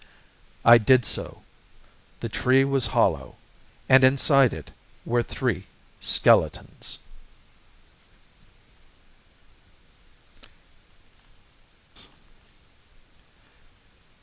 I did so. The tree was hollow, and inside it were three skeletons!